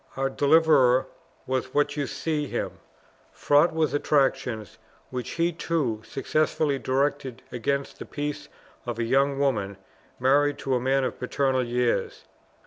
Our deliverer was what you see him: fraught with attractions, which he too successfully directed against the peace of a young woman married to a man of paternal years.